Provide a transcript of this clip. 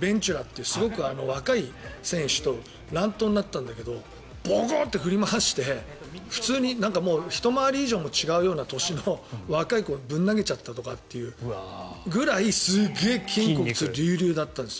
ベンチュラという若い選手と乱闘になったんだけどボコッと振り回してひと回り以上違う年の若い子をぶん投げちゃったとかっていうぐらいすげえ筋肉隆々だったんですよ。